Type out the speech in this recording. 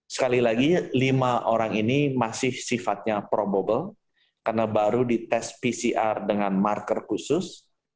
sekali lagi lima orang ini masih sifatnya probable karena baru dites pcr dengan marker khusus